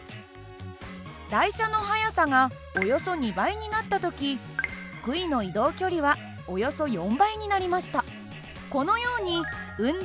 台車の速さがおよそ２倍になった時杭の移動距離はおよそ４倍になりました。